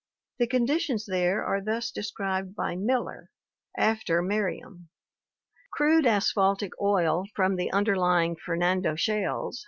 The conditions there are thus de scribed by Miller, after Merriam: " Crude asphaltic oil from the underlying Fernando shales